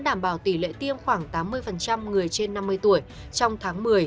đảm bảo tỷ lệ tiêm khoảng tám mươi người trên năm mươi tuổi trong tháng một mươi